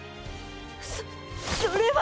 そっそれは。